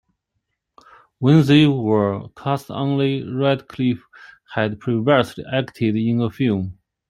When they were cast only Radcliffe had previously acted in a film.